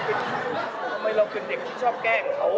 ทำไมเราคือเด็กที่ชอบแกล้งเขา